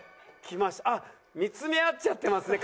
あっ見つめ合っちゃってますね。